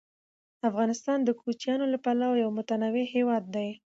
افغانستان د کوچیانو له پلوه یو متنوع هېواد دی.